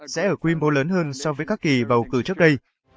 sẽ ở quy mô lớn hơn so với các kỳ bầu cử trước đây